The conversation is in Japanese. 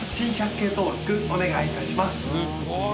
すごい！